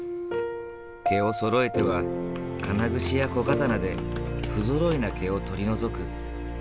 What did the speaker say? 毛をそろえては金櫛や小刀で不ぞろいな毛を取り除く。